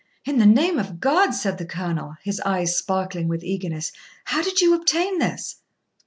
'In the name of God,' said the Colonel, his eyes sparkling with eagerness, 'how did you obtain this?'